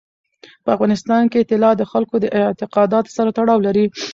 په افغانستان کې طلا د خلکو د اعتقاداتو سره تړاو لري.